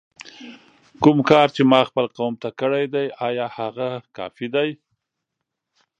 کوم کار چې ما خپل قوم ته کړی دی آیا هغه کافي دی؟!